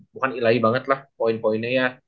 bukan ilai banget lah poin poinnya ya